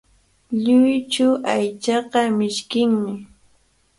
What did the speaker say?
Lluychu aychaqa mishkinmi.